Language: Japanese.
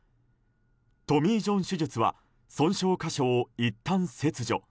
トミー・ジョン手術は損傷箇所をいったん切除。